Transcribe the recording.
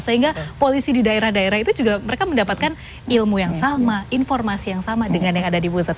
sehingga polisi di daerah daerah itu juga mereka mendapatkan ilmu yang sama informasi yang sama dengan yang ada di pusat